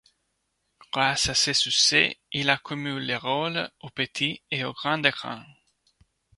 Grâce à ce succès, il accumule les rôles au petit et au grand écran.